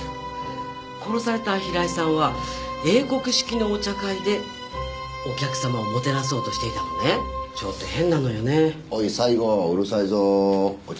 殺された平井さんは英国式のお茶会でお客さまをもてなそうとしていたのねちょっと変なのよねおい西郷うるさいぞお茶